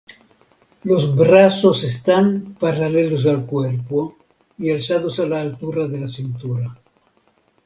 Los brazos están paralelos al cuerpo y alzados a la altura de la cintura.